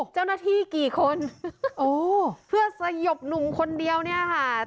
เจ้าหน้าที่กี่คนอ๋อเพื่อหนูคนเดียวเนี้ยค่ะ